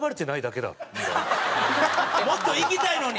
俺もっと行きたいのに？